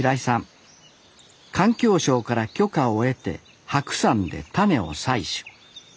環境省から許可を得て白山で種を採取。